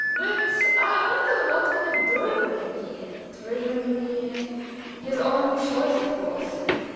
But I wonder what can have driven him here." "Driven him here? His own choice, of course."